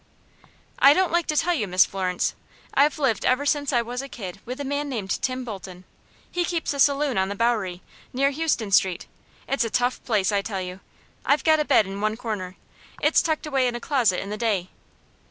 "I don't like to tell you, Miss Florence. I've lived ever since I was a kid with a man named Tim Bolton. He keeps a saloon on the Bowery, near Houston Street. It's a tough place, I tell you. I've got a bed in one corner it's tucked away in a closet in the day."